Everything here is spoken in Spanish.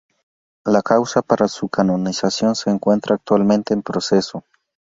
La causa para su canonización se encuentra actualmente en proceso.